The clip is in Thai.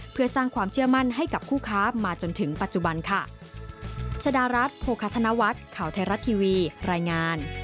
เพื่อสร้างความเชื่อมั่นให้กับคู่ค้ามาจนถึงปัจจุบันค่ะ